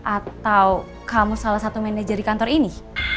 atau kamu salah satu manajer di kantor ini